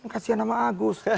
kasian sama agus